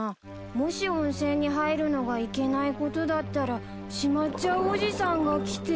もし温泉に入るのがいけないことだったらしまっちゃうおじさんが来て。